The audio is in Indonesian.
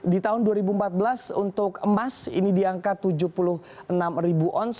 di tahun dua ribu empat belas untuk emas ini diangkat tujuh puluh enam ons